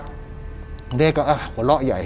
คุณเด้ก็หัวเราะใหญ่